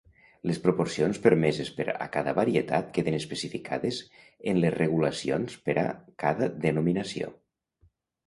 Les proporcions permeses per a cada varietat queden especificades en les regulacions per a cada "denominació".